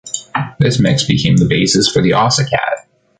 This mix became the basis for the Ocicat.